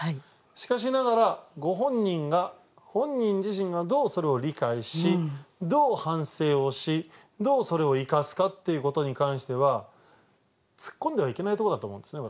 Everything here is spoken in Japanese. しかしながらご本人が本人自身がどうそれを理解しどう反省をしどうそれを生かすかっていうことに関しては突っ込んではいけないとこだと思うんですね